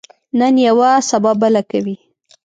نن یوه، سبا بله کوي.